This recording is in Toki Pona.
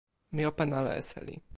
mi open ala e seli.